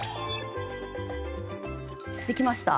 できました。